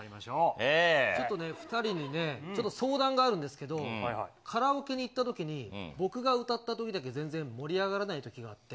ちょっとね、２人にちょっと相談があるんですけど、カラオケに行ったときに、僕が歌ったときだけ全然盛り上がらないときがあって。